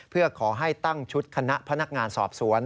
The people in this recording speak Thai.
เพื่อขอให้ตั้งชุดคณะพนักงานสอบสวน